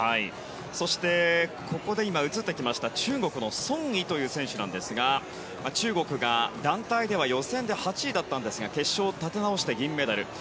そして、ここで中国のソン・イという選手が映っていますが中国が団体では予選で８位だったんですが決勝、立て直して銀メダル。